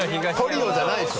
トリオじゃないでしょ。